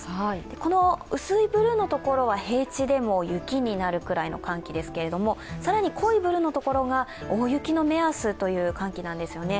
この薄いブルーのところは平地でも雪になるくらいの寒気ですけれども、更に濃いブルーのところが大雪の目安という寒気なんですよね。